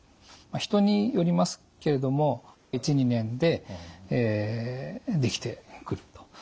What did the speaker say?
人によりますけれども１２年で出来てくると。